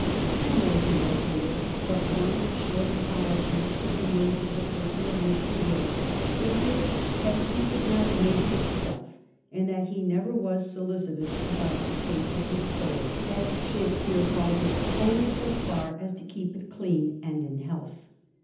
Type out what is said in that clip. "I know," he wrote later, "but one short apology to be made for the person of Mr. Wilkes; it is that he did not make himself, and that he never was solicitous about the case of his soul (as Shakespeare calls it) only so far as to keep it clean and in health.